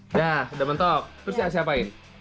udah udah mentok terus ya siapain